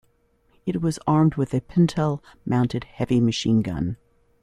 It was armed with a pintle-mounted heavy machine gun.